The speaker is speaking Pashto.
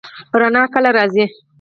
رڼا کله راځي؟